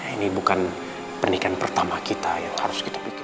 ini bukan pernikahan pertama kita yang harus kita pikirkan